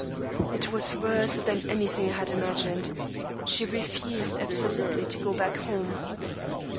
"It was worse than anything I had imagined; she refused absolutely to go back home.